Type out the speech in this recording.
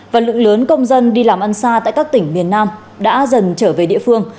và lượng lớn công dân đi làm ăn xa tại các tỉnh miền nam đã dần trở về địa phương